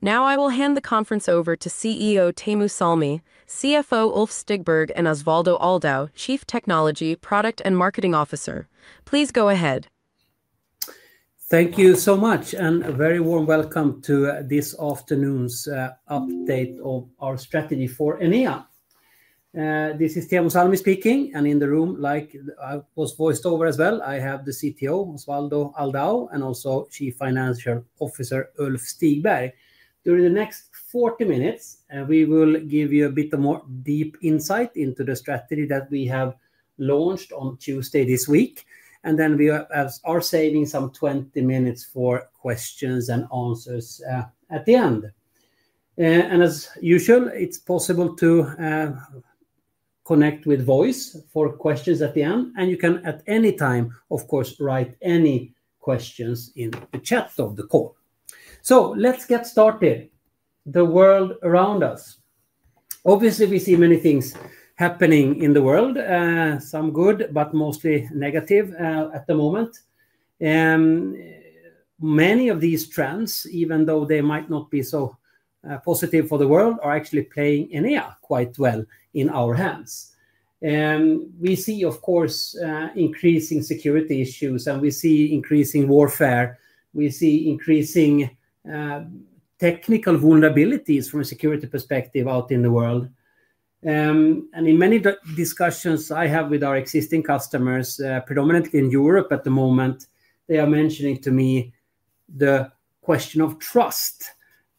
Now I will hand the conference over to CEO Teemu Salmi, CFO Ulf Stigberg and Osvaldo Aldao, Chief Technology Product and Marketing Officer. Please go ahead. Thank you so much and a very warm welcome to this afternoon's update of our strategy for Enea. This is Teemu Salmi speaking and in the room like I was voiced over as well, I have the CTO Osvaldo Aldao, and also Chief Financial Officer Ulf Stigberg. During the next 40 minutes we will give you a bit more deep insight into the strategy that we have launched on Tuesday this week. Then we are saving some 20 minutes for questions and answers at the end. As usual it's possible to connect with voice for questions at the end. You can at any time of course write any questions in the chat of the call. Let's get started. The world around us obviously we see many things happening in the world, some good but mostly negative at the moment. Many of these trends, even though they might not be so positive for the world, are actually playing in air quite well in our hands. We see of course increasing security issues and we see increasing warfare. We see increasing technical vulnerabilities from a security perspective out in the world. In many discussions I have with our existing customers, predominantly in Europe at the moment, they are mentioning to me the question of trust.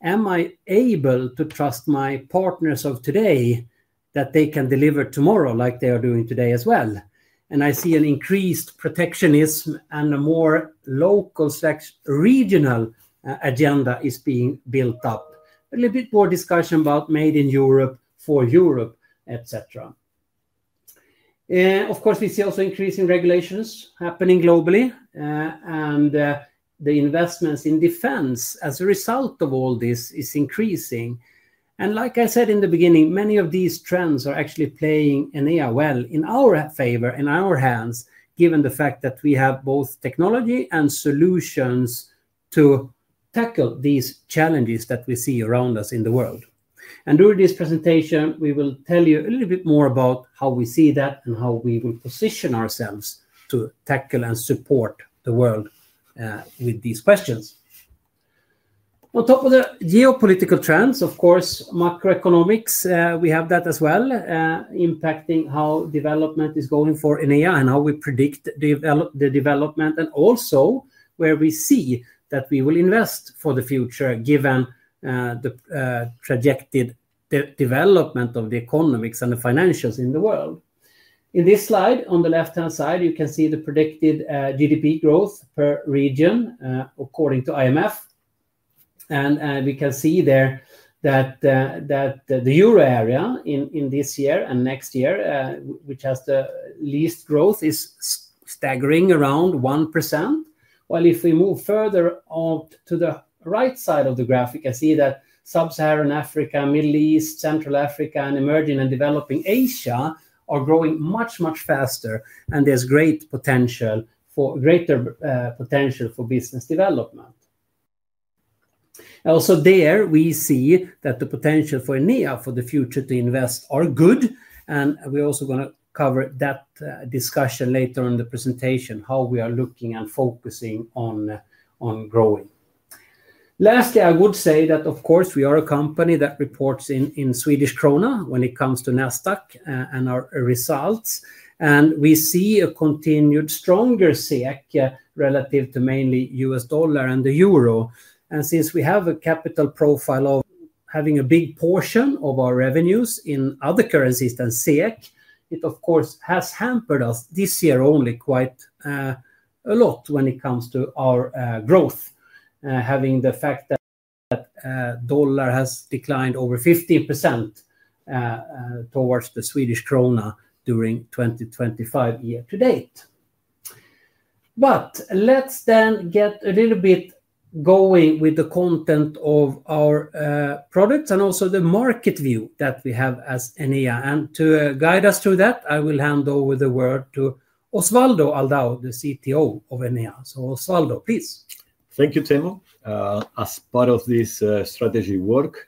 Am I able to trust my partners of today that they can deliver tomorrow like they are doing today as well? I see an increased protectionism and a more local regional agenda is being built up. A little bit more discussion about made in Europe, for Europe, etc. Of course we see also increasing regulations happening globally and the investments in defense as a result of all this is increasing. And like I said in the beginning, many of these trends are actually playing an [AOL] in our favor in our hands. And given the fact that we have both technology and solutions to tackle these challenges that we see around us in the world. And during this presentation we will tell you a little bit more about how we see that and how we will position ourselves to tackle and support the world with these questions. On top of the geopolitical trends, of course, macroeconomics, we have that as well impacting how development is going for in AI and how we predict the development and also where we see that we will invest for the future, given the projected development of the economics and the financials in the world. In this slide on the left hand side, you can see the predicted GDP growth per region according to IMF. And we can see there that the euro area in this year and next year which has the least growth is staggering around 1%. While if we move further out to the right side of the graph you can see that sub-Saharan Africa, Middle East, Central Africa and emerging and developing Asia are growing much much faster and there's great potential for greater potential for business development also there we see that the potential for Enea for the future to invest are good and we're also going to cover that discussion later on the presentation how we are looking and focusing on growing. Lastly, I would say that of course we are a company that reports in Swedish Krona when it comes to NASDAQ and our results and we see a continued stronger SEK relative to mainly U.S. dollar and the Euro. And since we have a capital profile of having a big portion of our revenues in other currencies than SEK, it of course has hampered us this year only quite a lot when it comes to our growth, having the fact that dollar has declined over 15% towards the Swedish krona during 2025 year to date. But let's then get a little bit going with the content of our products and also the market view that we have as Enea and to guide us through that I will hand over the to Osvaldo Aldao, the CTO of Enea. So, Osvaldo please. Thank you Teemu as part of this strategy work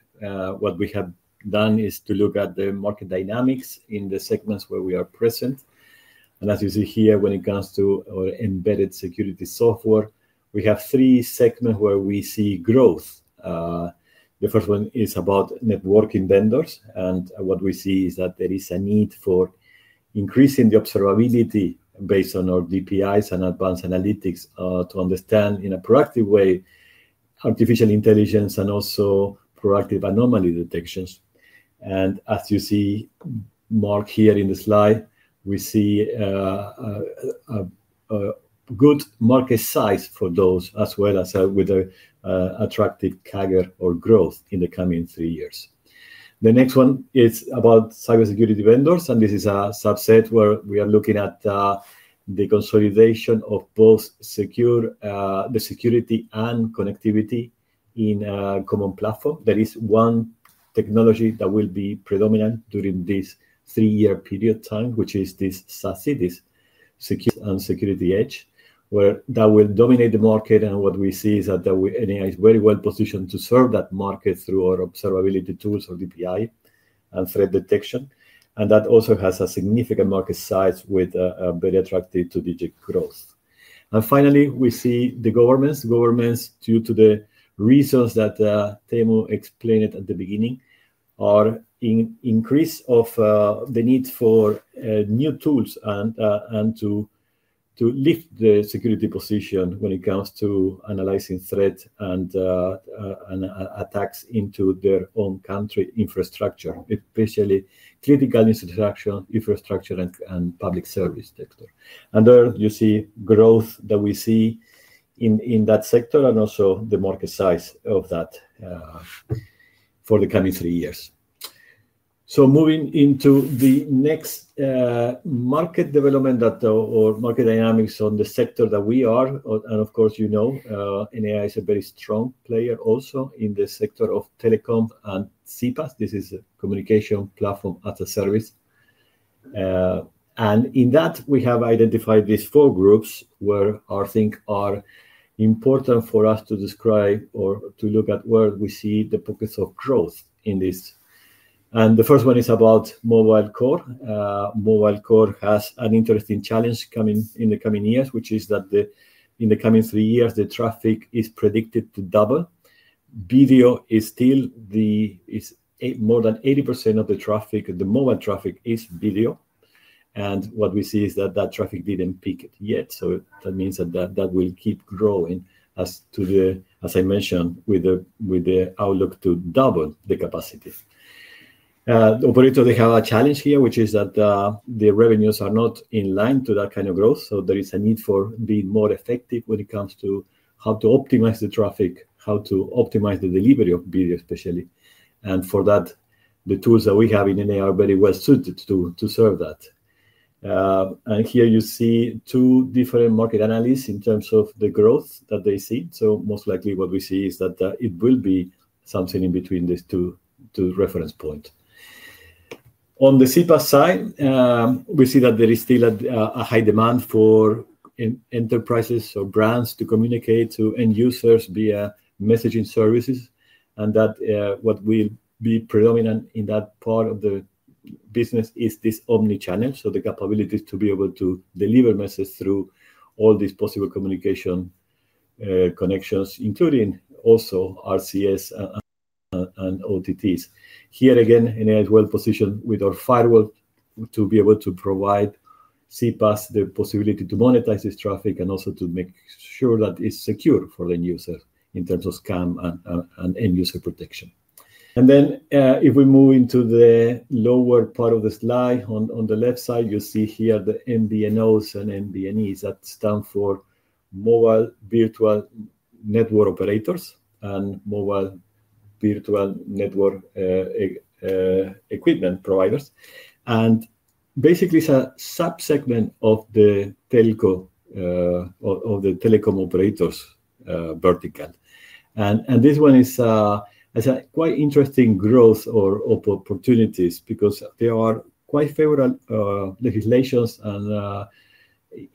what we have done is to look at the market dynamics in the segments where we are present. And as you see here when it comes to our embedded security software we have three segments where we see growth. The first one is about networking vendors and what we see is that there is a need for increasing the observability based on our DPIs and advanced analytics to understand in a proactive way artificial intelligence and also proactive anomaly detections. And as you see [mark] here in the slide we see good market size for those as well as with a attractive CAGR or growth in the coming three years. The next one is about cybersecurity vendors and this is a subset where we are looking at the consolidation of both the security and connectivity in common platform. There is one technology that will be predominant during this three-year period time, which is this SASE, this security edge where that will dominate the market. And what we see is that Enea is very well positioned to serve that market through our observability tools or DPI and threat detection and that also has a significant market size with very attractive two-digit growth. And finally, we see the governments, governments due to the reasons that Teemu explained at the beginning are in increase of the need for new tools and to lift the security position when it comes to analyzing threats and attacks into their own country infrastructure. It especially critical infrastructure and public service sector. And there you see growth that we see in that sector and also the market size of that for the coming three years. So, moving into the next market development or market dynamics on the sector that we are. And of course, you know, Enea is a very strong player also in the sector of telecom and CPaaS. This is a communication platform as a service. And in that we have identified these four groups where I think are important for us to describe or to look at where we see the pockets of growth in this. And the first one is about mobile core. mobile core has an interesting challenge coming in the coming years, which is that in the coming three years the traffic is predicted to double. Video is still more than 80% of the traffic. The mobile traffic is video. And what we see is that that traffic didn't peak yet. So that means that that will keep growing. As to the. As I mentioned with the outlook to double the capacity operator, they have a challenge here which is that the revenues are not in line to that kind of growth. So there is a need for being more effective when it comes to how to optimize the traffic, how to optimize the delivery of video especially. And for that the tools that we have in Enea are very well suited to serve that. Here you see two different market analysts in terms of the growth that they see. So most likely what we see is that it will be something in between these two reference points. On the CPaaS side we see that there is still a high demand for enterprises or brands to communicate to end users via messaging services and that what will be predominant in that part of the business is this omnichannel. So the capabilities to be able to deliver message through all these possible communication connections, including also RCS and OTTs. Here again, Enea is well positioned with our firewall to be able to provide CPaaS the possibility to monetize this traffic and also to make sure that it's secure for end user in terms of scam and end user protection. And then if we move into the lower part of the slide on the left side, you see here the MVNOs and MVNEs that stand for Mobile Virtual Network Operators and Mobile Virtual Network Equipment Providers. And basically a subsegment of the telco of the telecom operators vertical. And this one is a quite interesting growth or opportunities because there are quite favorable legislations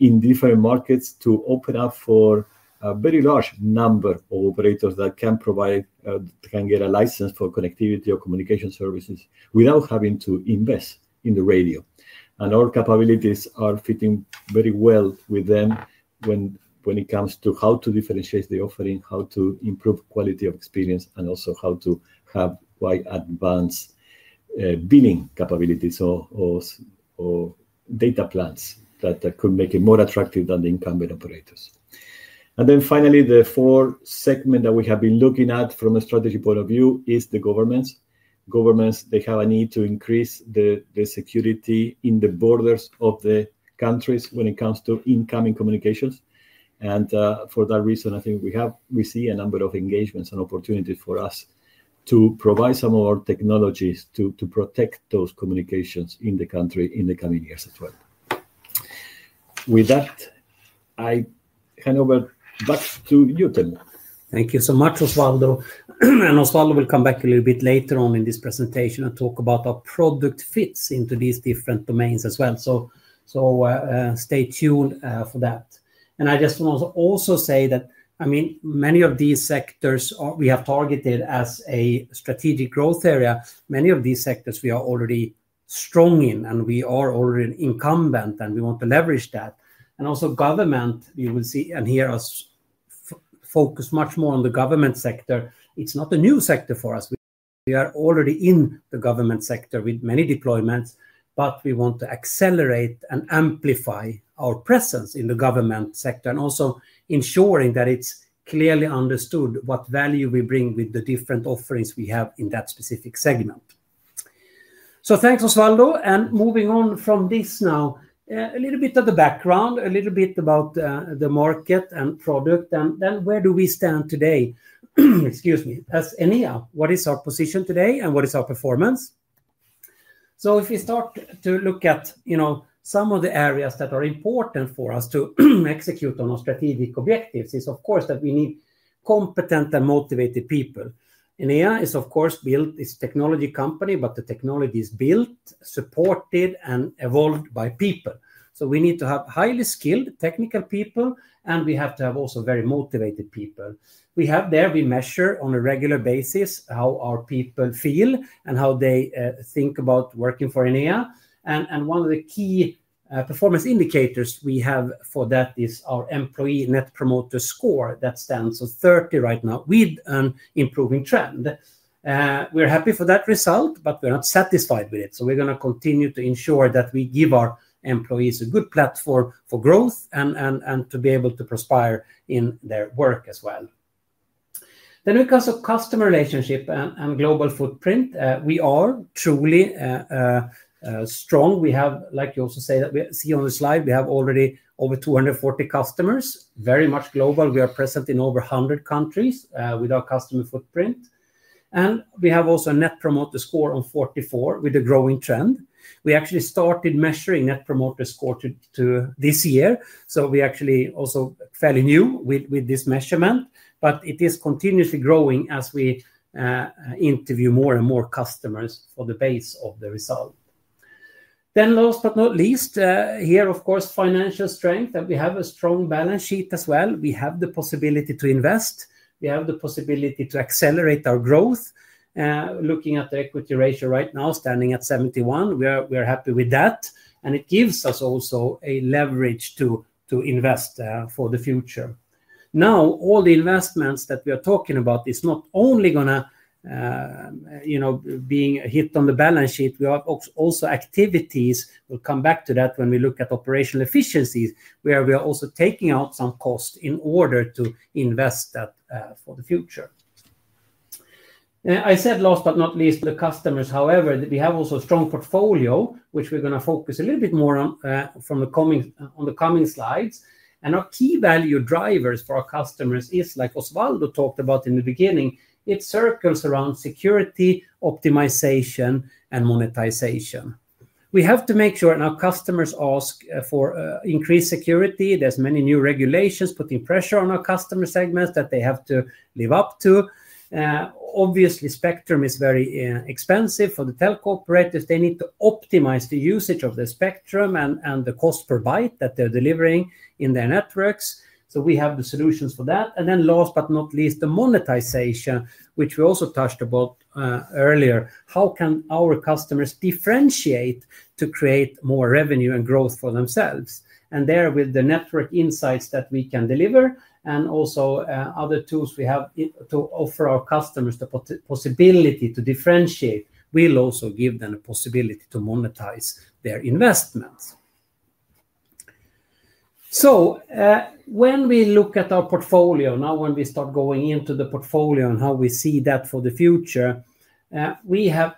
in different Markets to open up for a very large number of operators that can provide, can get a license for connectivity or communication services without having to invest in the radio. And our capabilities are fitting very well with them when, when it comes to how to differentiate the offering, how to improve quality of experience and also how to have quite advanced billing capabilities or data plans that could make it more attractive than the incumbent operators. And then finally, the fourth segment that we have been looking at from a strategy point of view is the governments. Governments, they have a need to increase the security in the borders of the countries when it comes to incoming communications. And for that reason I think we see a number of engagements and opportunities for us to provide some more technologies to protect those communications in the country in the coming years as well. With that I hand over back to you Teemu. Thank you so much. Osvaldo and Osvaldo will come back a little bit later on in this presentation and talk about how product fits into these different domains as well. So stay tuned for that. And I just want to also say that many of these sectors we have targeted as a strategic growth area. Many of these sectors we are already strong in and we are already an incumbent and we want to leverage that. And also government, you will see and hear us focus much more on the government sector. It's not a new sector for us. We are already in the government sector with many deployments. But we want to accelerate and amplify our presence in the government sector and also ensuring that it's clearly understood what value we bring with the different offerings we have in that specific segment. So thanks Osvaldo and moving on from this now, a little bit of the background, a little bit about the market and product and then where do we stand today? Excuse me, as Enea, what is our position today and what is our performance? So if we start to look at, you know, some of the areas that are important for us to execute on our strategic objectives is of course that we need competent and motivated people. Enea is of course built it's technology company, but the technology is built, supported and evolved by people. So we need to have highly skilled technical people and we have to have also very motivated people. We have there, we measure on a regular basis how our people feel and how they think about working for Enea. And one of the key performance indicators we have for that is our employee net promoter score. That's the stands of 30 right now with an improving trend. We're happy for that result, but we're not satisfied with it. So we're going to continue to ensure that we give our employees a good platform for growth and to be able to prosper in their work as well. Then because of customer relationship and global footprint, we are truly strong. We have like you also say that we see on the slide, we have already over 240 customers, very much global. We are present in over 100 countries with our customer footprint. And we have also a net promoter score on 44 with a growing trend. We actually started measuring net promoter score this year. So we actually also fairly new with this measurement but it is continuously growing as we interview more and more customers for the pace of the result. Then last but not least, here of course financial strength that we have a strong balance sheet as well. We have the possibility to invest, we have the possibility to accelerate our growth. Looking at the equity ratio right now standing at 71, we are happy with that. And it gives us also a leverage to invest for the future. Now all the investments that we are talking about is not only going to, you know, being hit on the balance sheet, we are also activities. We'll come back to that when we look at operational efficiencies where we are also taking out some cost in order to invest that for the future. I said last but not least the customers. However, we have also a strong portfolio which we're going to focus a little bit more on from the coming on the coming slides and our key value drivers for our customers is like Osvaldo talked about in the beginning. It circles around security optimization and monetization. We have to make sure now customers ask for increased security. There's many new regulations putting pressure on our customer segments that they have to live up to. Obviously, spectrum is very expensive for the telco operators. They need to optimize the usage of the spectrum and the cost per byte that they're delivering in their networks. So we have the solutions for that. And then last but not least, the monetization which we also touched about earlier. How can our customers differentiate to create more revenue and growth for themselves? And there with the network insights that we can deliver and also other tools we have to offer our customers the possibility to differentiate will also give them a possibility to monetize their investments. So when we look at our portfolio now, when we start going into the portfolio and how we see that for the future. We have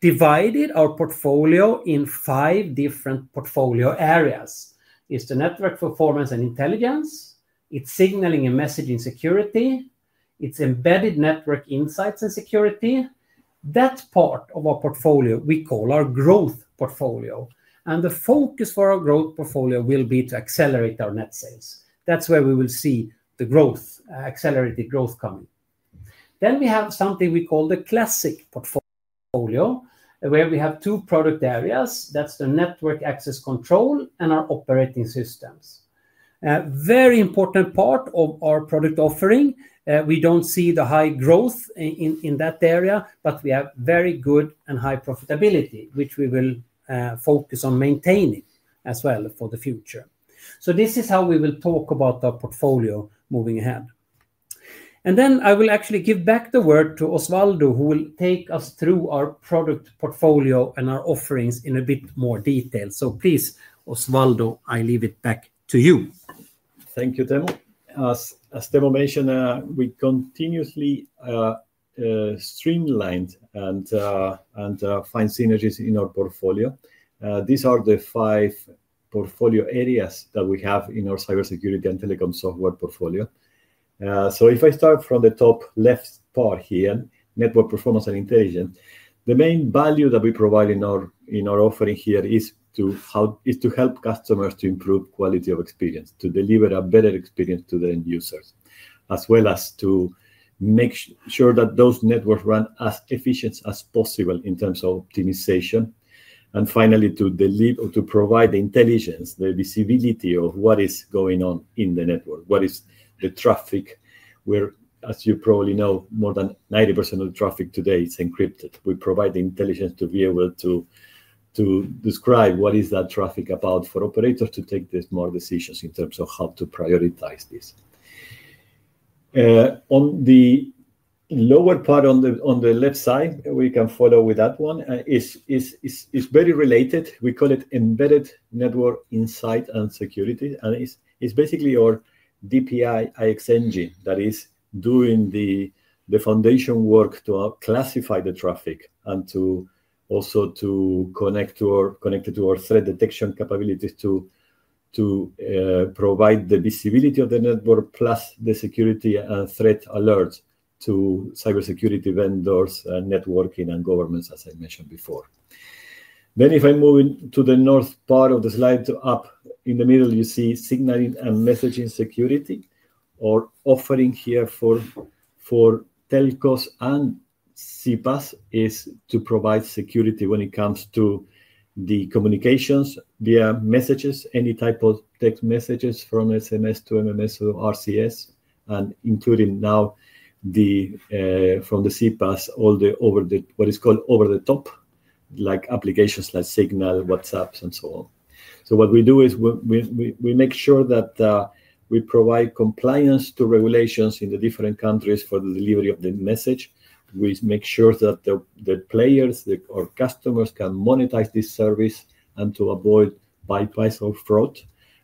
divided our portfolio in five different portfolio areas. It's the network performance and intelligence. It's signaling a message in security. It's embedded network insights and security. That part of our portfolio we call our Growth portfolio. And the focus for our Growth portfolio will be to accelerate our net sales. That's where we will see the growth, accelerated growth coming. Then we have something we call the Classic portfolio where we have two product areas. That's the network access control and our operating systems very important part of our product offering. We don't see the high growth in that area, but we have very good and high profitability which we will focus on maintaining as well for the future. So this is how we will talk about our portfolio moving ahead. And then I will actually give back the word to Osvaldo who will take us through our product portfolio and our offerings in a bit more detail. So please Osvaldo, I leave it back to you. Thank you, Teemu as Teemu mentioned, we continuously streamlined and find synergies in our portfolio. These are the five portfolio areas that we have in our cybersecurity and telecom software portfolio. So if I start from the top left part here. Network performance and intelligence. The main value that we provide in our offering here is to help customers to improve quality of experience, to deliver a better experience to the end users as well as to make sure that those networks run as efficient as possible in terms of optimization and finally to deliver to provide the intelligence the visibility of what is going on in the network. What is the traffic where as you probably know more than 90% of the traffic today is encrypted. We provide the intelligence to be able to describe what is that traffic about for operators to take more decisions in terms of how to prioritize this. On the lower part on the left side we can follow with that one is very related. We call it embedded network insight and security. And it's basically your DPI ixEngine that is doing the foundation work to classify the traffic and to also to connect to our threat detection capabilities to to provide the visibility of the network plus the security and threat alerts to cybersecurity vendors, networking and governments as I mentioned before. Then if I move to the north part of the slide up in the middle you see signaling and messaging security or offering here for telcos and CPaaS is to provide security when it comes to the communications via messages, any type of text messages from SMS to MMS or RCS and including now from the CPaaS all the over the what is called over the top like applications like Signal, WhatsApp and so on. So what we do is we make sure that we provide compliance to regulations in the different countries for the delivery of the message. We make sure that the players or customers can monetize this service and to avoid bypass or fraud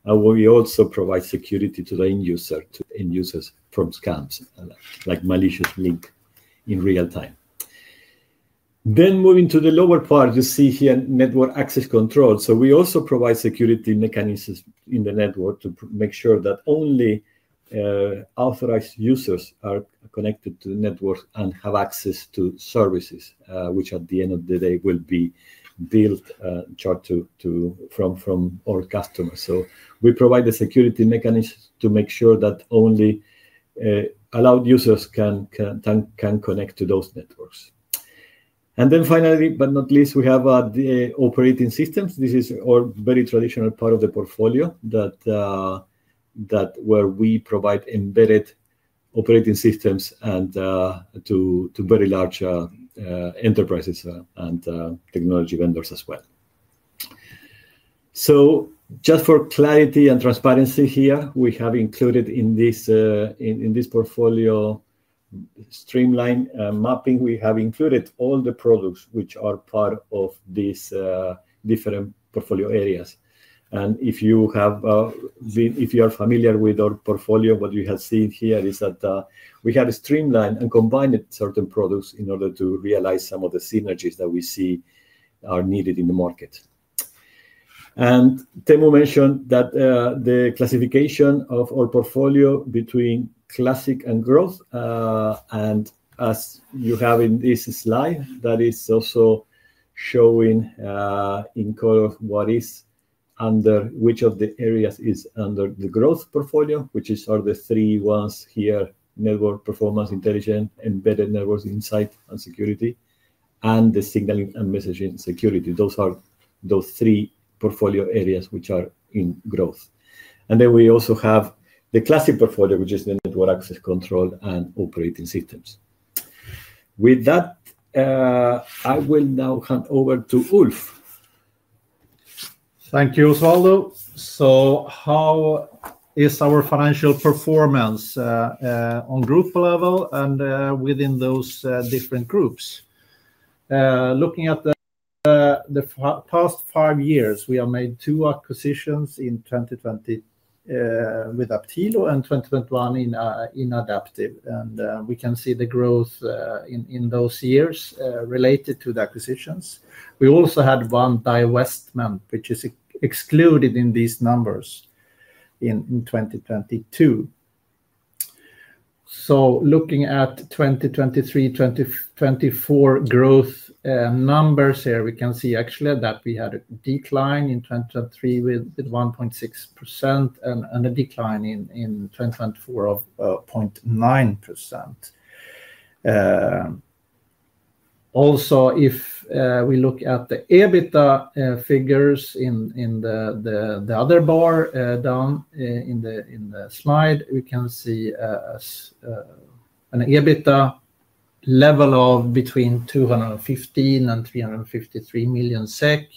we also provide Security to the end users from scams like malicious link in real time. Then moving to the lower part you see here, network access control. We also provide security mechanisms in the network to make sure that only authorized users are connected to the network and have access to services which at the end of the day will be built from our customers. So we provide the security mechanism to make sure that only allowed users can connect to those networks. And then finally but not least, we have the operating systems. This is very traditional part of the portfolio where we provide embedded operating systems and to very large enterprises and technology vendors as well. So just for clarity and transparency, here we have included in this portfolio streamline mapping. We have included all the products which are part of these different portfolio areas. And if you are familiar with our portfolio, what you have seen here is that we have a streamlined and combined certain products in order to realize some of the synergies that we see are needed in the market. And Teemu mentioned that the classification of our portfolio between Classic and Growth and as you have in this slide that is also showing in color, what is under which of the areas is under the Growth portfolio, which is are the three ones here, network performance, intelligence, embedded networks, insight and security and the signaling and messaging security. Those are those three portfolio areas which are in growth. And then we also have the Classic portfolio which is the network access control and operating systems. With that I will now hand over to Ulf. Thank you, Osvaldo. So how is our financial performance on group level and within those different groups? Looking at the past five years, we have made two acquisitions in 2020 with Aptilo and 2021 in Adaptive. And we can see the growth in those years related to the acquisitions we also had one divestment which is excluded in these numbers in 2022. So looking at 2023, 2024 growth numbers here, we can see actually that we had a decline in 2023 with 1.6% and a decline in 2024 of 0.9%. Also if we look at the EBITDA figures in the other bar down in the slide, we can see an EBITDA level of between 215 million and 353 million SEK.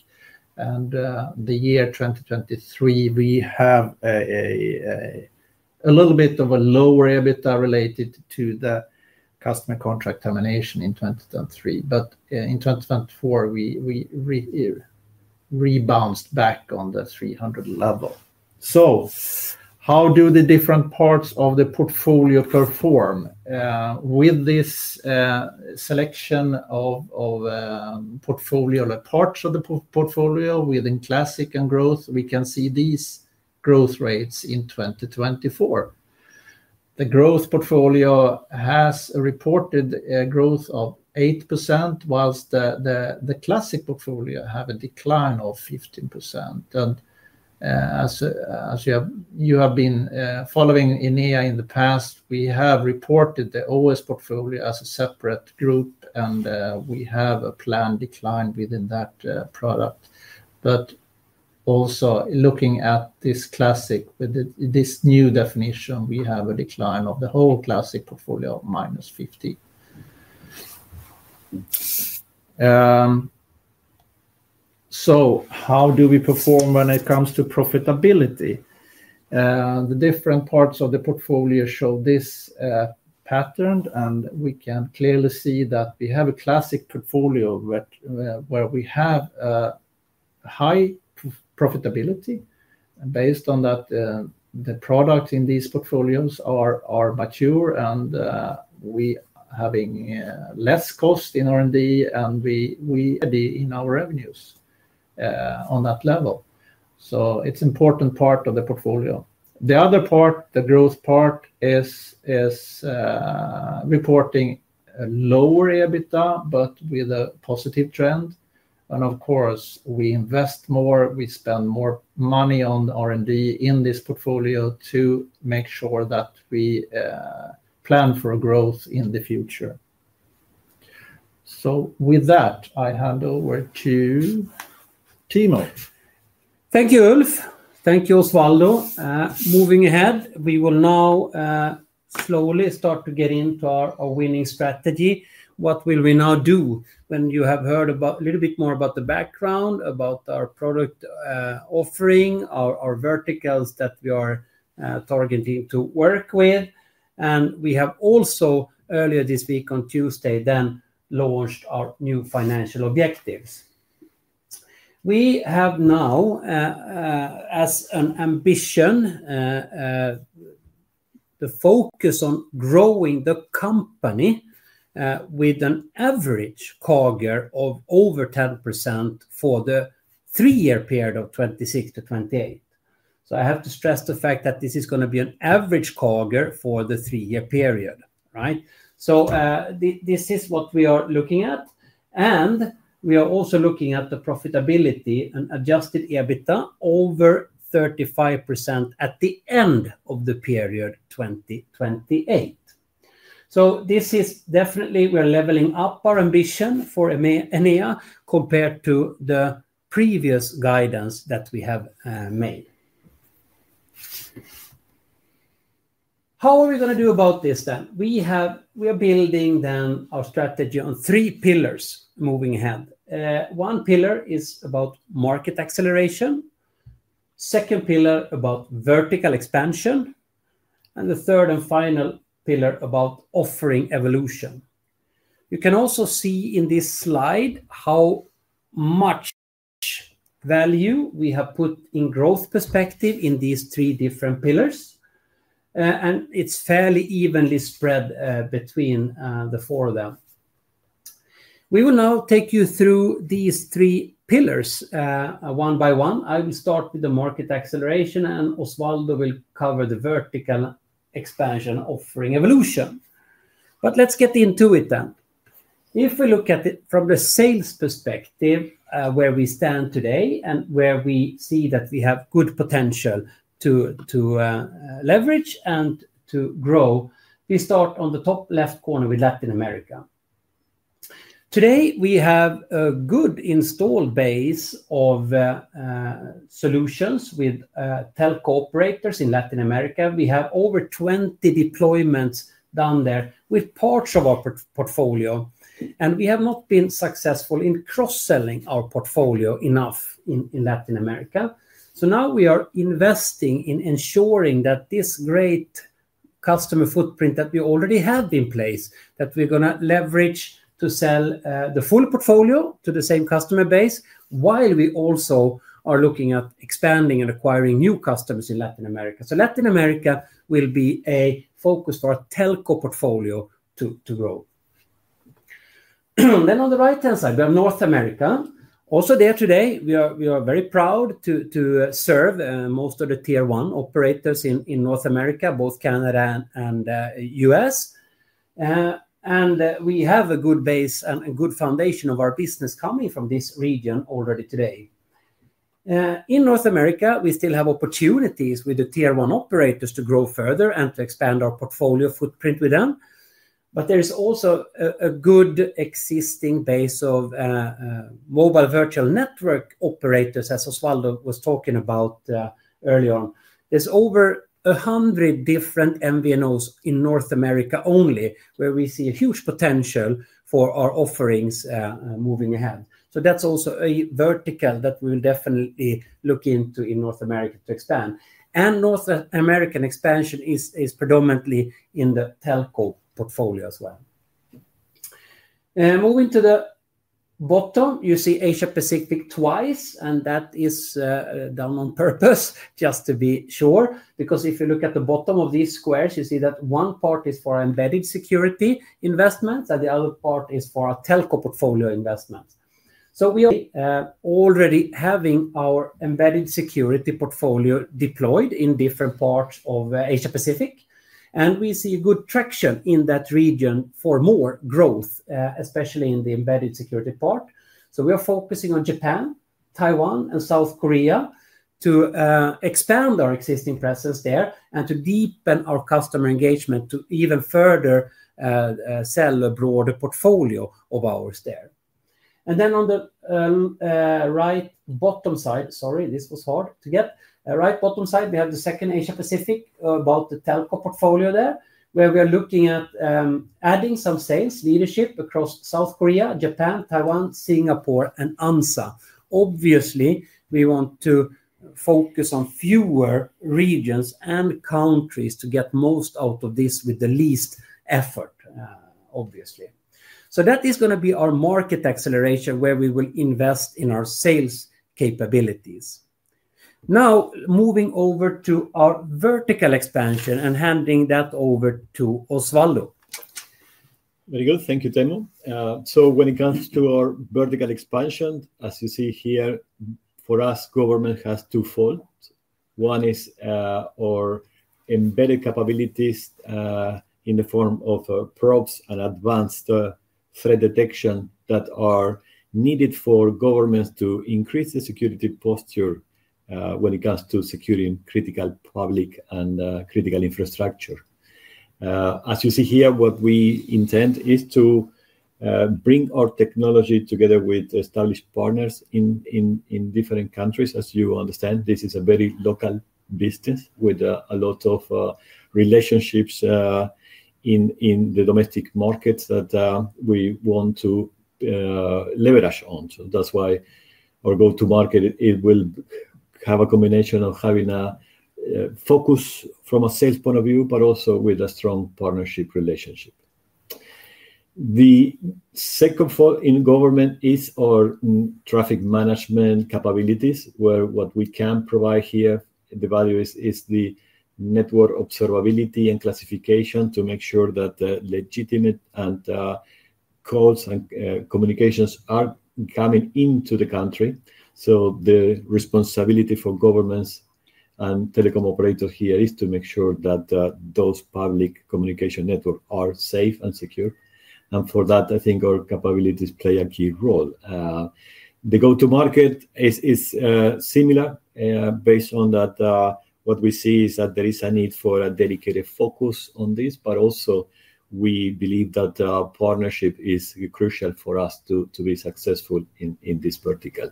And the year 2023, we have a little bit of a lower EBITDA related to the customer contract termination in 2023. But in 2024 we rebounced back on the 300 level. So how do the different parts of the portfolio perform with this selection of portfolio? Parts of the portfolio within Classic and Growth, we can see these growth rates in 2024, the Growth portfolio has reported growth of 8% whilst the Classic portfolio have a decline of 15%. And as you have been following Enea in the past, we have reported the OS portfolio as a separate group and we have a planned decline within that product. That also looking at this classic, with this new definition we have a decline of the whole Classic portfolio -50. So how do we perform when it comes to profitability? The different parts of the portfolio show this pattern and we can clearly see that we have a Classic portfolio where we have high profitability. Based on that the product in these portfolios are mature and we having less cost in R&D and we in our revenues on that level. So, it's important part of the portfolio, the other part, the growth part is reporting lower EBITDA but with a positive trend. And of course we invest more, we spend more money on R&D in this portfolio to make sure that we plan for growth in the future. So with that I hand over to Teemu. Thank you Ulf. Thank you Osvaldo. Moving ahead, we will now slowly start to get into our winning strategy. What will we now do when you have heard about a little bit more about the background about our product offering, our verticals that we are targeting to work with. And we have also earlier this week on Tuesday then launched our new financial objectives. We have now as an ambition. The focus on growing the company company with an average CAGR of over 10% for the three-year period of 2026 to 2028. So, I have to stress the fact that this is going to be an average CAGR for the three-year period, right? So, this is what we are looking at and we are also looking at the profitability and adjusted EBITDA over 35% at the end of the period 2028. So, this is definitely we're leveling up our ambition for Enea compared to the previous guidance that we have made. How are we going to do about this then? We have, we are building then our strategy on three pillars moving ahead. One pillar is about market acceleration, second pillar about vertical expansion and the third and final pillar about offering evolution. You can also see in this slide how much value we have put in growth perspective in these three different pillars, and it's fairly evenly spread between the four of them. We will now take you through these three pillars one by one. I will start with the market acceleration and Osvaldo will cover the vertical expansion offering evolution. But let's get into it then. If we look at it from the sales perspective where we stand today and where we see that we have good potential to leverage and to grow. We start on the top left corner with Latin America. Today we have a good installed base of solutions with telco operators in Latin America. We have over 20 deployments down there with parts of our portfolio and we have not been successful in cross selling our portfolio enough in Latin America. So now we are investing in ensuring that this great customer footprint that we already have in place that we're going to leverage to sell the full portfolio to the same customer base while we also are looking at expanding and acquiring new customers in Latin America. So, Latin America will be a focus for our telco portfolio to grow. Then on the right hand side we have North America also there today we are very proud to serve most of the Tier 1 operators in North America, both Canada and U.S. and we have a good base and a good foundation of our business coming from this region already today. In North America we still have opportunities with the Tier 1 operators to grow further and to expand our portfolio footprint with them. But there is also a good existing base of Mobile Virtual Network Operators as Osvaldo was talking about earlier on. There's over 100 different MVNOs in North America only where we see a huge potential for our offerings moving ahead. So that's also a vertical that we will definitely look into in North America to expand. And North American expansion is predominantly in the telco portfolio as well. Moving to the bottom, you see Asia Pacific twice and that is done on purpose just to be sure, because if you look at the bot of these squares you see that one part is for embedded security investments and the other part is for a telco portfolio investment. So, we already having our embedded security portfolio deployed in different parts of Asia Pacific and we see a good traction in that region for more growth, especially in the embedded security part. So, we are focusing on Japan, Taiwan and South Korea to expand our existing presence there and to deepen our customer engagement to even further sell a broader portfolio of ours there. And then on the right bottom side, sorry, this was hard to get. Right bottom side we have the second Asia Pacific about the telco portfolio there where we are looking at adding some sales leadership across South Korea, Japan, Taiwan, Singapore and ANZA. Obviously, we want to focus on fewer regions and countries to get most out of this with the least effort obviously. So that is going to be our market acceleration where we will invest in our sales capabilities. Now moving over to our vertical expansion and handing that over to Osvaldo. Very good, thank you Teemu. So, when it comes to our vertical expansion, as you see here for us government has two-fold. One is our embedded capabilities in the form of props and advanced threat detection that are needed for governments to increase the security posture when it comes to securing critical public and critical infrastructure. As you see here. What we intend is to bring our technology together with established partners in different countries. As you understand this is a very local business with a lot of relationships in the domestic markets that we want to leverage on. That's why our go to market it will have a combination of having focus from a sales point of view but also with a strong partnership relationship. The second fault in government is our traffic management capabilities where what we can provide here the value is the network observability and classification to make sure that legitimate calls and communications are coming into the country. So, the responsibility for governments and telecom operators here is to make sure that those public communication networks are safe and secure. And for that I think our capabilities play a key role. The go-to-market is similar based on that what we see is that there is a need for a dedicated focus on this. But also, we believe that partnership is crucial for us to be successful in this vertical.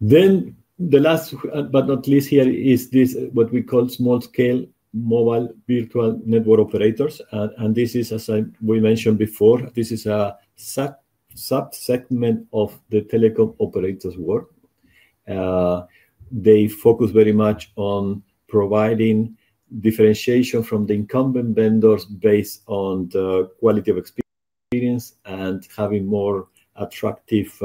Then the last but not least here is this what we call small scale Mobile Virtual Network Operators, and this is as we mentioned before, this is a sub segment of the telecom operator's world. They focus very much on providing differentiation from the incumbent vendors based on the quality of experience and having more attractive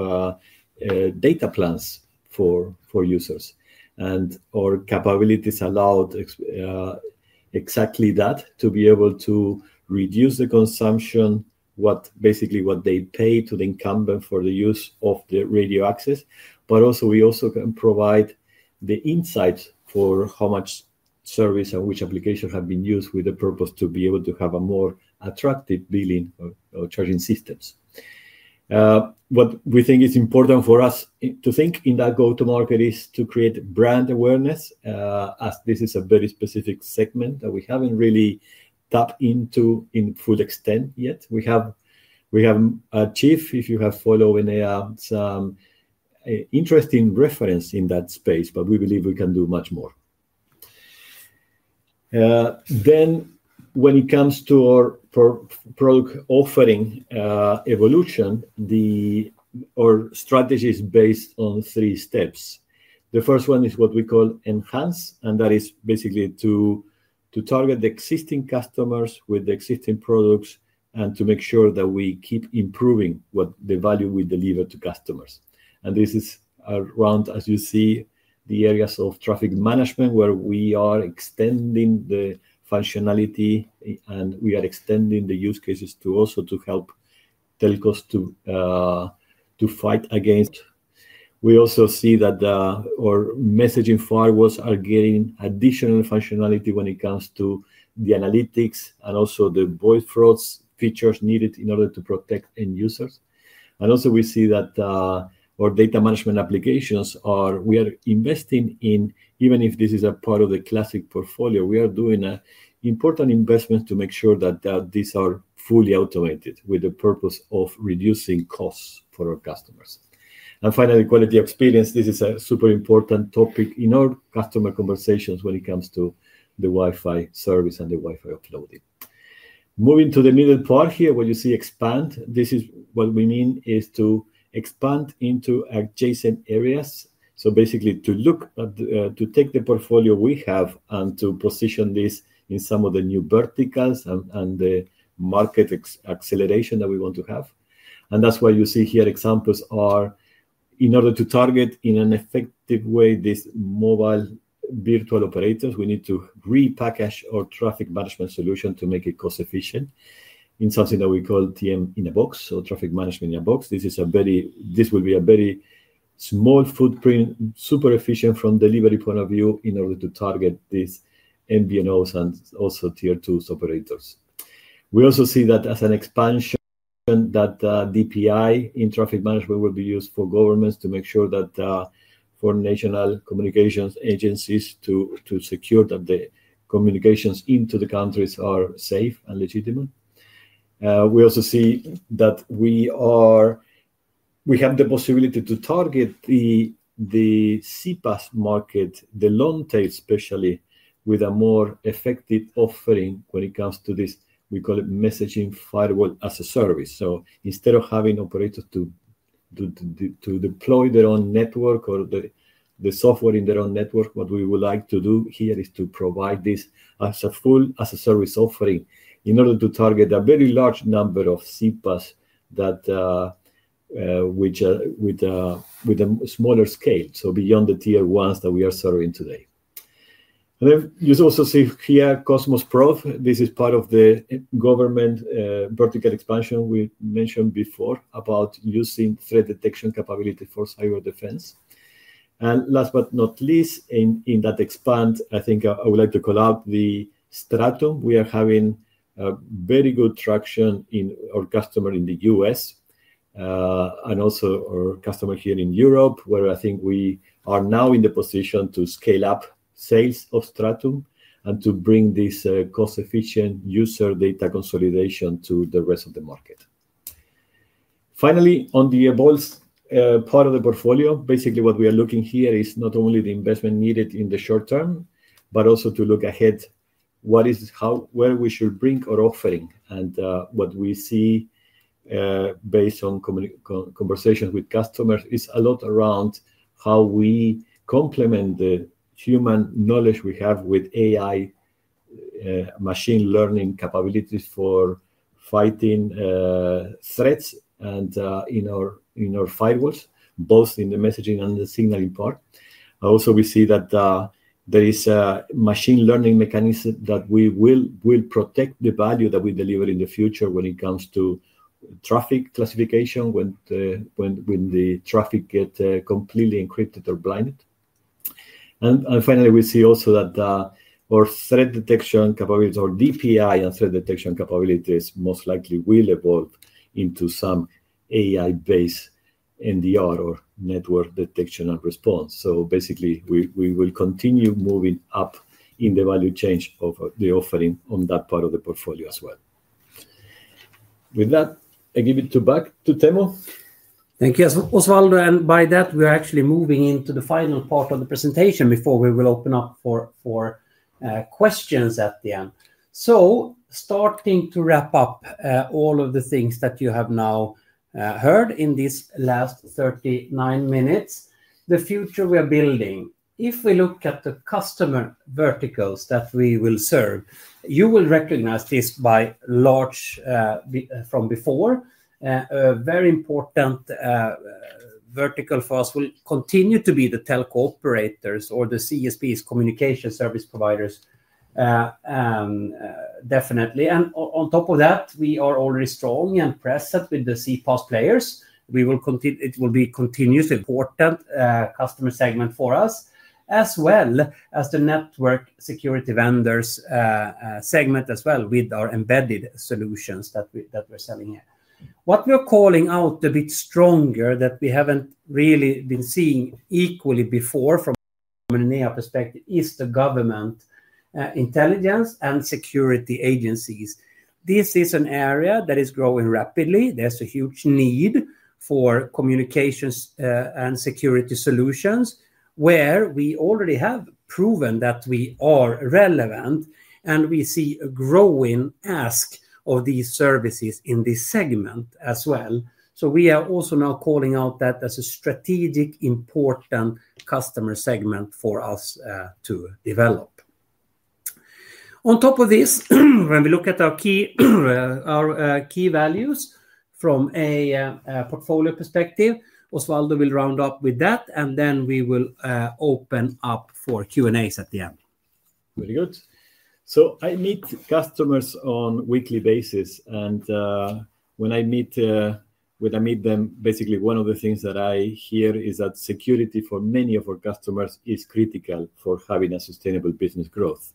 data plans for users. And our capabilities allowed exactly that to be able to reduce the consumption basically what they pay to the incumbent for the use of the radio access. But also we also can provide the insights for how much service and which application have been used with the purpose to be able to have a more attractive billing or charging systems. What we think is important for us to think in that go to market is to create brand awareness as this is a very specific segment that we haven't really tapped into in full extent yet. We have achieved if you have followed some interesting reference in that space. But we believe we can do much more then when it comes to our product offering evolution. Our strategy is based on three steps. The first one is what we call enhance and that is basically to target the existing customers with the existing products and to make sure that we keep improving the value we deliver to customers. And this is around as you see the areas of traffic management where we are extending the functionality and we are extending the use cases to also to help telcos to fight against. We also see that our messaging firewalls are getting additional functionality when it comes to the analytics and also the voice frauds features. Needed in order to protect end users. And also we see that our data management applications are we are investing in. Even if this is a part of the Classic portfolio, we are doing important investments to make sure that these are fully automated with the purpose of reducing costs for our customers. And finally quality experience, this is a super important topic in our customer conversations when it comes to the Wi-Fi service and the Wi-Fi. Okay, loading. Moving to the middle part here where you see expand, this is what we mean is to expand into adjacent areas. So basically to look at, to take the portfolio we have and to position this in some of the new verticals and the market acceleration that we want to have. And that's why you see here examples are in order to target in an effective way this Mobile Virtual Operators, we need to repackage our traffic management solution to make it cost efficient in something that we call TM in a Box or Traffic Management in a Box. This is a very, this will be a very small footprint, super-efficient from delivery point of view in order to target these MVNOs and also Tier 2 operators. We also see that as an expansion that DPI in traffic management will be used for governments to make sure that for national communications agencies to secure that the communications into the countries are safe and legitimate. We also see that we have the possibility to target the CPaaS market the long tail, especially with a more effective offering when it comes to this. We call it messaging firewall as a service. So instead of having operators to to deploy their own network or the software in their own network, what we would like to do here is to provide this as a full as a service offering in order to target a very large number of CPaaS with a smaller scale. So beyond the Tier 1s that we are serving today, you also see Qosmos Probe. This is part of the government vertical expansion we mentioned before about using threat detection capability for cyber defense. And last but not least in that expand, I think I would like to call out the Stratum. We are having very good traction in our customer in the U.S. and also our customer here in Europe, where I think we are now in the position to scale up sales of Stratum and to bring this cost-efficient user data consolidation to the rest of the market. Finally on the evolved part of the portfolio, basically what we are looking here is not only the investment needed in the short term, but also to look ahead what is how, where we should bring our offering and what we see based on conversations with customers is a lot around how we complement the human knowledge we have with AI machine learning capabilities for fighting threats in our firewalls, both in the messaging and the signaling part. Also, we see that there is a machine learning mechanism that will protect the value that we deliver in the future when it comes to traffic classification, when the traffic gets completely encrypted or blinded. And finally, we see also that our threat detection capabilities or DPI and threat detection capabilities most likely will evolve into some AI based NDR or network detection and response. So basically we will continue moving up in the value change of the offering on that part of the portfolio as well. With that I give it back to Teemu. Thank you Osvaldo. And by that we are actually moving into the final part of the presentation before we will open up for questions at the end. So starting to wrap up all of the things that you have now heard in this last 39 minutes. The future we are building, if we look at the customer verticals that we will serve, you will recognize this by large from before. A very important vertical for us will continue to be the telco operators or the CSPs, communication service providers definitely. And on top of that we are already strong and present with the CPaaS players. It will be continuously important customer segment for us as well as the network security vendors segment as well. With our embedded solutions that we're selling here. What we're calling out a bit stronger that we haven't really been seeing equally before from an perspective is the government, intelligence, and security agencies. This is an area that is growing rapidly. There's a huge need for communications and security solutions where we already have proven that we are relevant and we see a growing ask of these services in this segment as well. So we are also now calling out that as a strategic important customer segment for us to develop. On top of this, when we look at our key, our key values from a portfolio perspective, Osvaldo will round up with that and then we will open up for Q&As at the end. Very good. So I meet customers on weekly basis and when I meet, when I meet them, basically one of the things that I hear is that security for many of our customers is critical for having a sustainable business growth.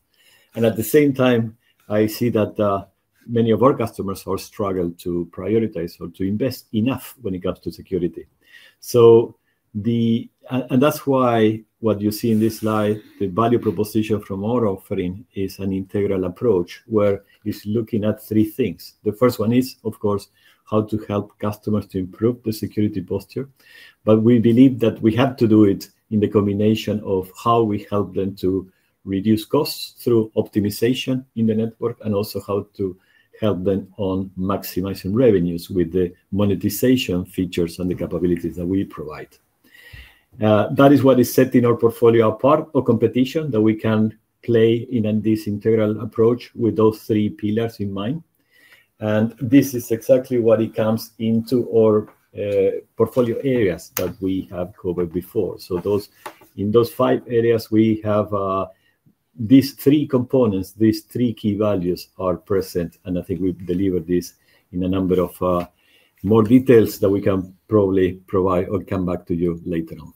And at the same time I see that many of our customers are struggling to prioritize or to invest enough when it comes to security. So the and that's why what you see in this slide, the value proposition from our offering is an integral approach where it's looking at three things. The first one is of course how to help customers to improve the security posture. But we believe that we have to do it in the combination of how we help them to reduce costs through optimization in the network and also how to help them on maximizing revenues with the monetization features and the capabilities that we provide. That is what is setting our portfolio apart of competition that we can play in this integral approach with those three pillars in mind. And this is exactly what it comes into our portfolio areas that we have covered before. So, in those five areas we have these three components, these three key values are present, and I think we've delivered this in a number of more details that we can probably provide or come back to you later on.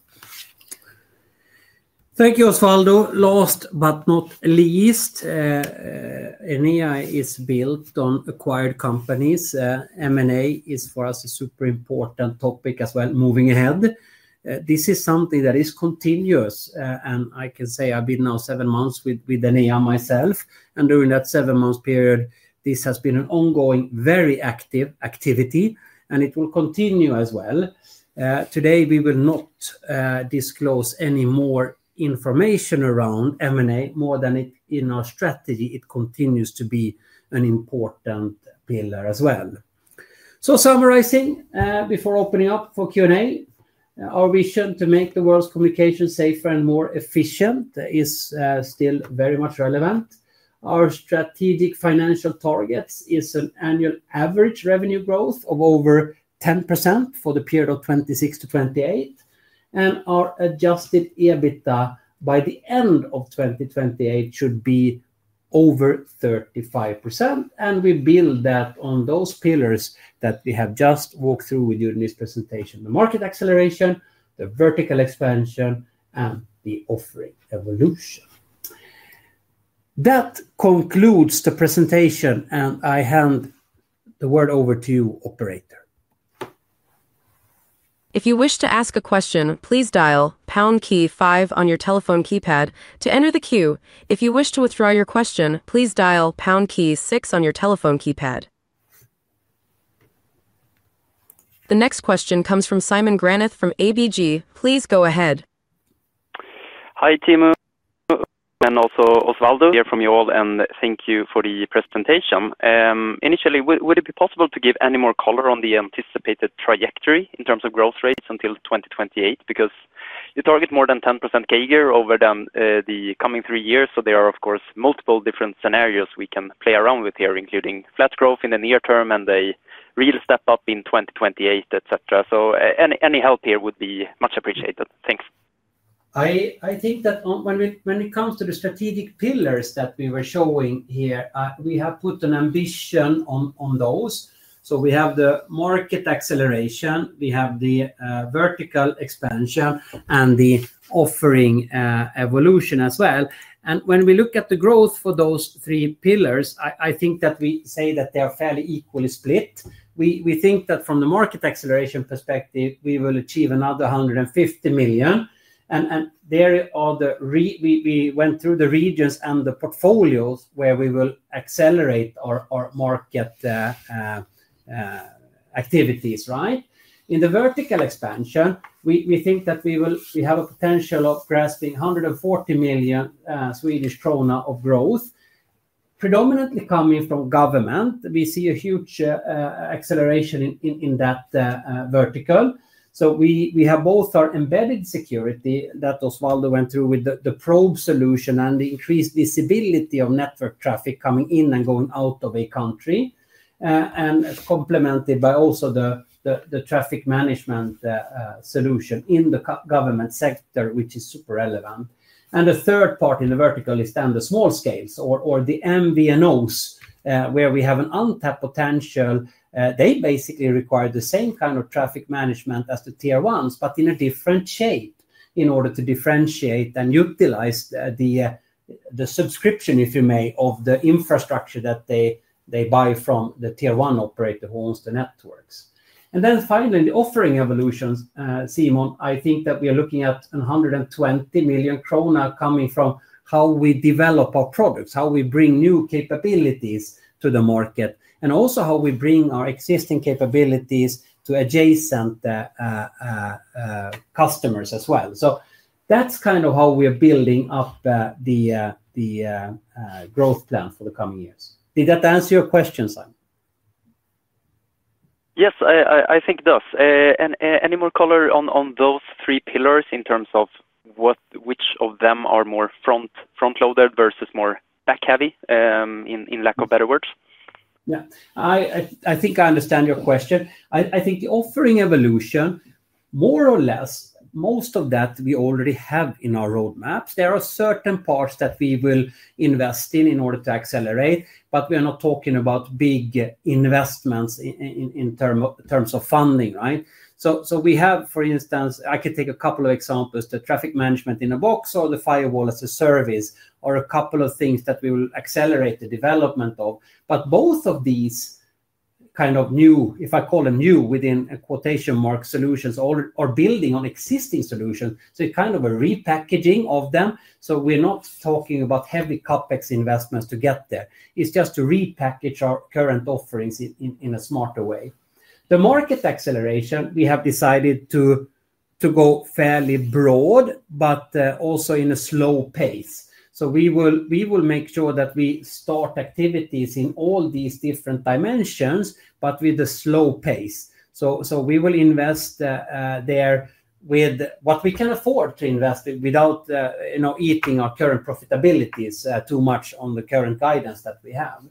Thank you Osvaldo. Last but not least, Enea is built on acquired companies. M&A is for us a super important topic as well. Moving ahead, this is something that is continuous and I can say I've been now seven months with Enea myself and during that seven month period this has been an ongoing, very active activity and it will continue as well. Today we will not disclose any more information around M&A more than in our strategy. It continues to be an important pillar as well. So summarizing before opening up for Q and A, our vision to make the world's communication safer and more efficient is still very much relevant. Our strategic financial targets is an annual average revenue growth of over 10% for the period of 2026 to 2028 and our adjusted EBITDA by the end of 2028 should be over 35%. And we build that on those pillars that we have just walked through with you in this presentation. The market acceleration, the vertical expansion and the offering evolution. That concludes the presentation, and I hand the word over to you. Operator. If you wish to ask a question, please dial pound key five on your telephone keypad to enter the queue. If you wish to withdraw your question, please dial pound key six on your telephone keypad. The next question comes from Simon Granath from ABG. Please go ahead. Hi Teemu and also Osvaldo hear from you all and thank you for the presentation. Initially, would it be possible to give any more color on the anticipated trajectory in terms of growth rates until 2028 because you target more than 10% CAGR over the coming three years. So there are of course multiple different scenarios we can play around with here, including flat growth in the near term and a real step up in 2028, etc. So any help here would be much appreciated. Thanks. I think that when it comes to the strategic pillars that we were showing here, we have put an ambition on those. So we have the market acceleration, we have the vertical expansion and the offering evolution as well. And when we look at the growth for those three pillars, I think that we say that they are fairly equally split. We think that from the market acceleration perspective, we will achieve another 150 million. And there are the we went through the regions and the portfolios where we will accelerate our market activities. Right in the vertical expansion, we think that we have a potential of grasping 140 million Swedish krona of growth predominantly coming from government. We see a huge acceleration in that vertical. So we have both our embedded security that Osvaldo went through with the probe solution and the increased visibility of network traffic coming in and going out of a country and complemented by also the traffic management solution in the government sector, which is super relevant. And the third part in the vertical is then the small scales or the MVNOs where we have an untapped potential. They basically require the same kind of traffic management as the Tier 1s, but in a different shape in order to differentiate and utilize the subscription, if you may, of the infrastructure that they buy from the Tier 1 operator who owns the networks. And then finally the offering evolutions. Simon, I think that we are looking at 120 million krona coming from how we develop our products, how we bring new capabilities to the market, and also how we bring our existing capabilities to adjacent customers as well. So that's kind of how we are building up the growth plan for the coming years. Did that answer your question, Simon? Yes, I think it does. Any more color on those three pillars in terms of which of them are more front loaded versus more back heavy, in lack of better words? Yeah, I think I understand your question. I think the offering evolution more or less most of that we already have in our roadmaps. There are certain parts that we will invest in in order to accelerate, but we are not talking about big investments in terms of funding, right. So, we have for instance, I could take a couple of examples, the traffic management in a box or the firewall as a service are a couple of things that we will accelerate the development of. But both of these kind of new, if I call them new within quotation mark solutions or are building on existing solutions, so kind of a repackaging of them. So, we're not talking about heavy CapEx investments to get there. It's just to repackage our current offerings in a smarter way. The market acceleration, we have decided to go fairly broad, but also in a slow pace. So we will make sure that we start activities in all these different dimensions, but with a slow pace. So we will invest There with what we can afford to invest without eating. Our current profitability is too much on the current guidance that we have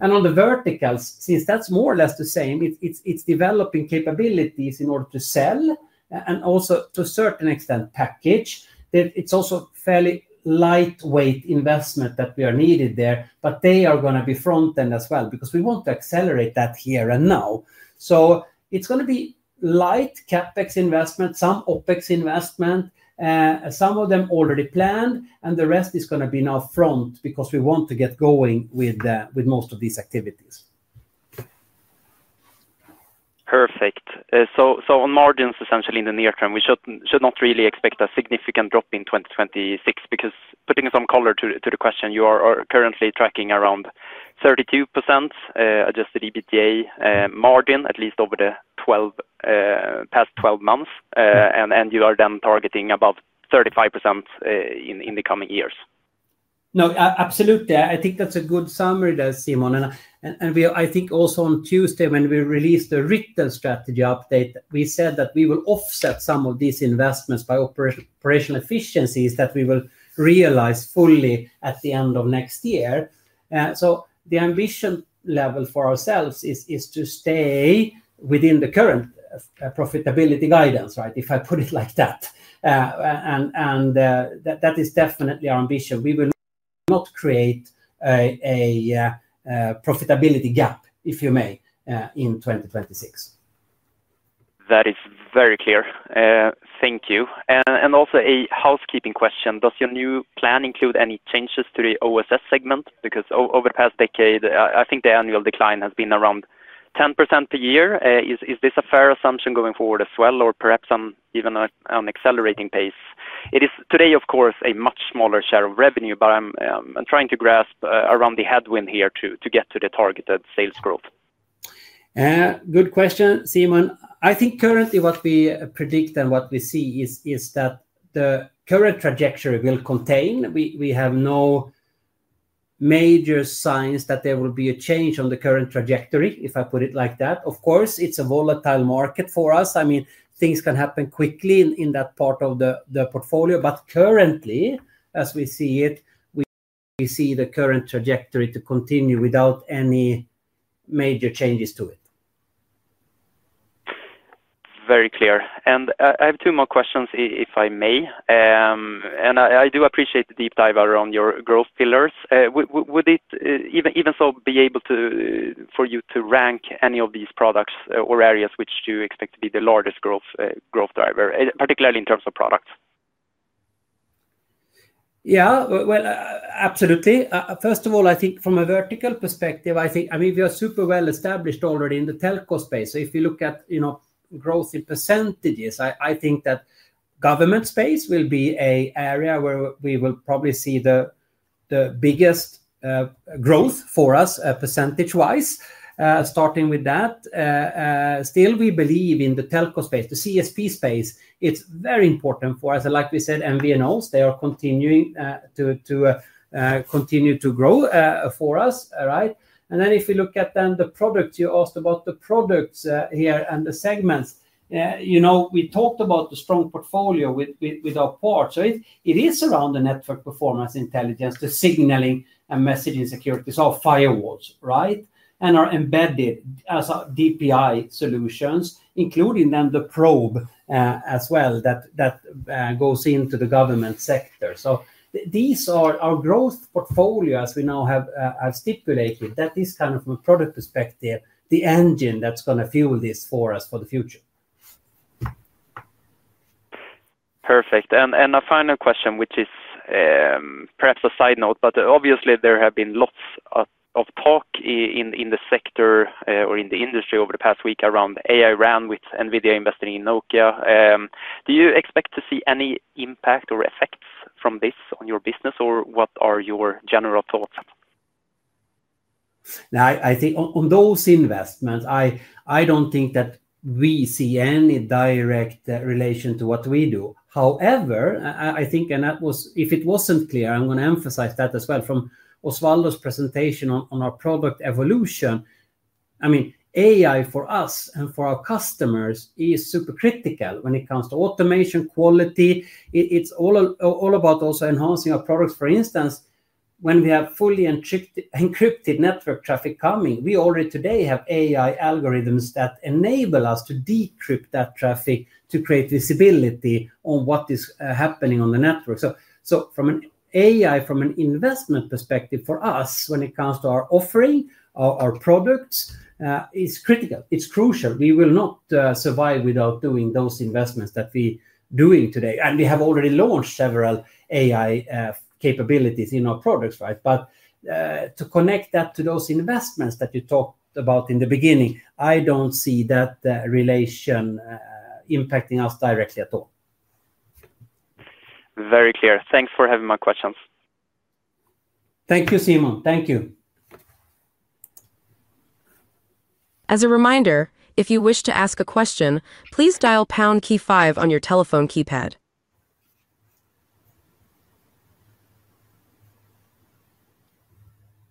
and on the verticals, since that's more or less the same. It's developing capabilities in order to sell and also to a certain extent package. It's also fairly lightweight investment that we are needed there. But they are going to be front end as well because we want to accelerate that here and now. So it's going to be light CaPex investment, some OpEx investment, some of them already planned, and the rest is going to be now front because we want to get going with most of these activities. Perfect. So on margins essentially in the near term, we should not really expect a significant drop in 2026 because, putting some color to the question, you are currently tracking around 32% adjusted EBITDA margin at least over the past 12 months and you are then targeting about 35% in the coming years. No, absolutely. I think that's a good summary there, Simon. And I think also on Tuesday when we released the written strategy update, we said that we will offset some of these investments by operational efficiencies that we will realize fully at the end of next year. So the ambition level for ourselves is to stay within the current profitability guidance. If I put it like that. And that is definitely our ambition. We will not create a profitability gap, if you may, in 2026. That is very clear. Thank you. And also a housekeeping question. Does your new plan include any changes to OSS segment? Because over the past decade I think the annual decline has been around 10% a year. Is this a fair assumption going forward as well, or perhaps even on accelerating pace? It is today, of course, a much smaller share of revenue. But I'm trying to grasp around the headwind here to get to the targeted sales growth. Good question, Simon. I think currently what we predict and what we see is that the current trajectory will contain. We have no major signs that there will be a change on the current trajectory. If I put it like that, of course it's a volatile market for us. I mean, things can happen quickly in that part of the portfolio. But currently, as we see it, we see the current trajectory to continue without any major changes to it. Very clear. And I have two more questions, if I may, and I do appreciate the deep dive around your growth pillars. Would it even so be able for you to rank any of these products or areas which you expect to be the largest growth driver, particularly in terms of products? Yeah, well, absolutely. First of all, I think from a vertical perspective. I think [Enea] is super well as established already in the telco space. So if you look at, you know, growth in percentages, I, I think that government space will be a area where we will probably see the, the biggest growth for us percentage wise. Starting with that. Still we believe in the telco space, the CSP space, it's very important for us. Like we said, MVNOs, they are continuing to, to continue to grow for us. And then if we look at then the products, you asked about the products here and the segments, you know, we talked about the strong portfolio with our port. So it is around the network performance intelligence, the signaling and messaging security. So firewalls, right. And are embedded as DPI solutions including then the probe as well that goes into the government sector. So these are our Growth portfolio as we now have stipulated. That is kind of from a product perspective, the engine that's going to fuel this for us for the future. Perfect. And a final question, which is perhaps a side note, but obviously there have been lots of talk in the sector or in the industry over the past week around AI-RAN with NVIDIA investing in Nokia. Do you expect to see any impact or effects from this on your business or what are your general thoughts. Now? I think on those investments, I don't think that we see any direct relation to what we do. However, I think, and that was if it wasn't clear, I'm going to emphasize that as well. From Osvaldo's presentation on our product evolution, I mean AI for us and for our customers is super critical when it comes to automation quality. It's all about also enhancing our products. For instance, when we have fully encrypted network traffic coming, we already today have AI algorithms that enable us to decrypt that traffic to create visibility on what is happening on the network. So from an AI from an investment perspective for us, when it comes to our offering, our products is critical. It's crucial. We will not survive without doing those investments that we doing today. And we have already launched several AI capabilities in our products. But to connect that to those investments that you talked about in the beginning, I don't see that relation impacting us directly at all. Very clear. Thanks for having my questions. Thank you Simon. Thank you. As a reminder, if you wish to ask a question, please dial key five on your telephone keypad.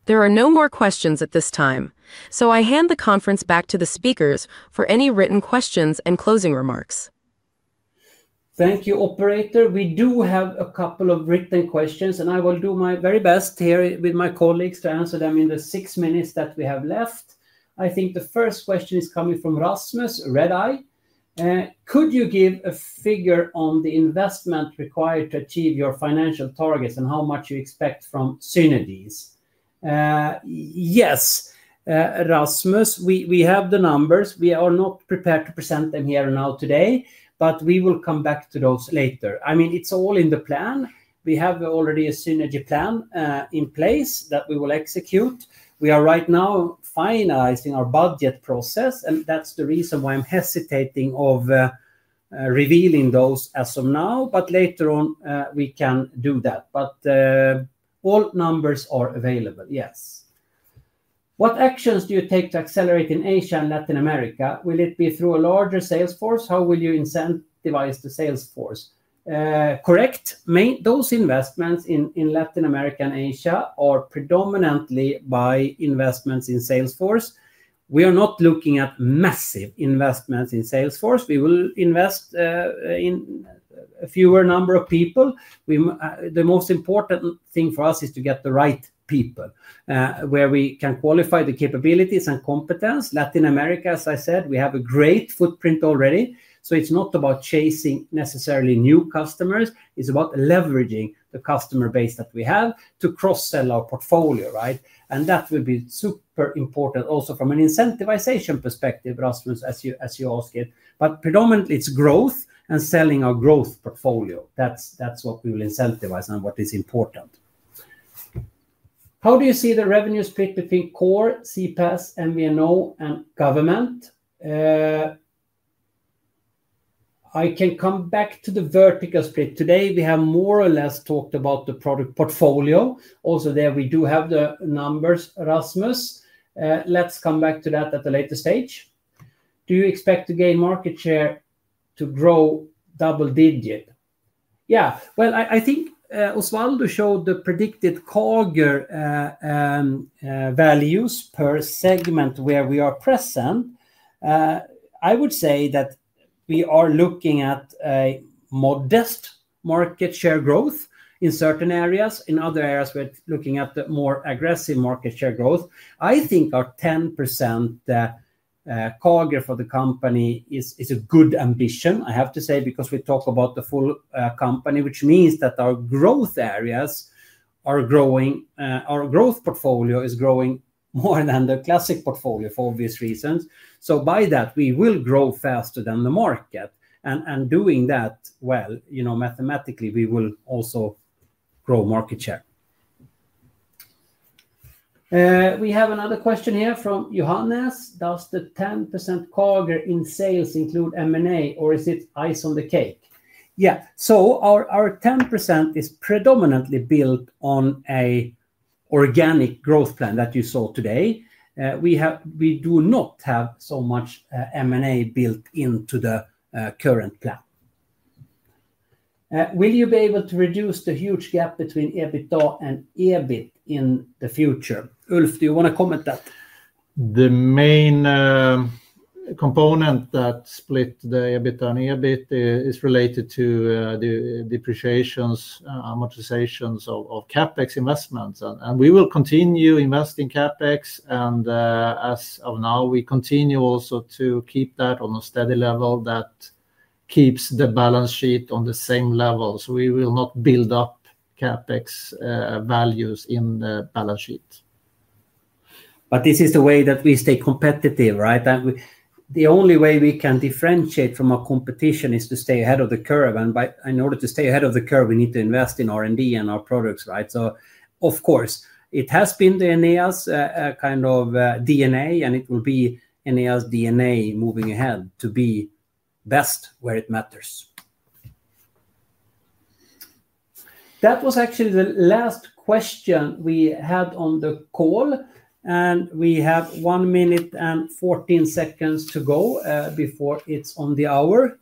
There are no more questions at this time. So I hand the conference back to the speakers for any written questions and closing remarks. Thank you, operator. We do have a couple of written questions, and I will do My very best here with my colleagues to answer them in the six minutes that we have left. I think the first question is coming from Rasmus, Redeye. Could you give a figure on the investment required to achieve your financial targets and how much you expect from Synergies? Yes, Rasmus, we have the numbers. We are not prepared to present them here now, today, but we will come back to those later. I mean, it's all in the plan. We have already a synergy plan in place that we will execute. We are right now finalizing our budget process. And that's the reason why I'm hesitating of revealing those as of now. But later on we can do that. But all numbers are available? Yes. What actions do you take to accelerate in Asia and Latin America? Will it be through a larger salesforce? How will you incentivize device to salesforce? Correct. Those investments in Latin America and Asia are predominantly by investments in salesforce. We are not looking at massive investments in salesforce. We will invest in a fewer number of people. The most important thing for us is to get the right people where we can qualify the capabilities and competence. Latin America, as I said, we have a great footprint already. So it's not about chasing necessarily new customers. It's about leveraging the customer base that we have to cross sell our portfolio. And that would be super important also from an incentivization perspective, Rasmus, as you ask it. But predominantly it's growth and selling our Growth portfolio. That's what we will incentivize and what is important. How do you see the revenue split between core CPaaS, MVNO and government? I can come back to the vertical split today. We have more or less talked about the product portfolio also there. We do have the numbers. Rasmus, let's come back to that at the later stage. Do you expect to gain market share to grow double digit? Yeah, well, I think Osvaldo showed the predicted CAGR values per segment where we are present. I would say that we are looking at a modest market share growth in certain areas. In other areas we're looking at the more aggressive market share growth. I think our 10% CAGR for the company is a good ambition, I have to say, because we talk about the full company, which means that our growth areas are growing. Our Growth portfolio is growing more than the Classic portfolio for obvious reasons. So by that we will grow faster than the market and, and doing that well, you know, mathematically we will also grow market share. We have another question here from Johannes. Does the 10% CAGR in sales include M&A or is it ice on the cake? Yeah. So our 10% is predominantly built on a organic growth plan that you saw today. We do not have so much M&A built into the current plan. Will you be able to reduce the huge gap between EBITDA and EBIT in the future? Ulf, do you want to comment that. The main component that split the EBITDA bit is related to the depreciations, amortizations of CapEx investments and we will continue investing CapEx and as of now we continue also to keep that on a steady level. That keeps the balance sheet on the same level. So, we will not build up CapEx values in the balance sheet. But this is the way that we stay competitive, right. The only way we can differentiate from our competition is to stay ahead of the curve. And in order to stay ahead of the curve we need to invest in R&D and our products. Right? So of course, it has been the Enea's kind of DNA and it will be Enea's DNA moving ahead to be best where it matters. That was actually the last question we had on the call, and we have 1 minute and 14 seconds to go before it's on the hour.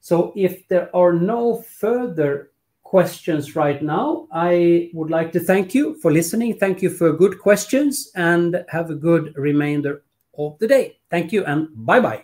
So, if there are no further questions right now, I would like to thank you for listening, thank you for good questions and have a good remainder of the day. Thank you and bye bye.